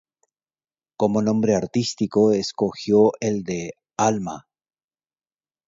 Como nombre artístico escogió el de Alma.